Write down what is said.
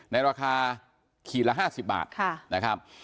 ในราคาขีดละ๕๐บาทนะครับ